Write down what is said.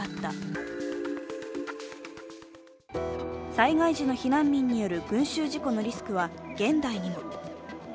災害時の避難民による群集事故のリスクは現代にも。